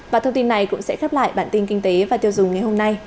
và thông tin này cũng sẽ khép lại bản tin kinh tế và tiêu dùng ngày hôm nay